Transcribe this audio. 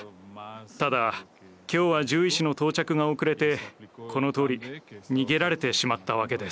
ただ今日は獣医師の到着が遅れてこのとおり逃げられてしまったわけです。